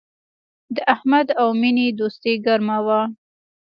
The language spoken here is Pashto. د احمد او مینې دوستي گرمه وه